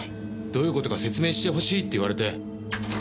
どういう事か説明してほしいって言われて。